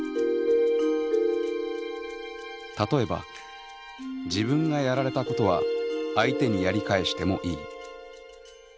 例えば「自分がやられたことは相手にやり返してもいい」。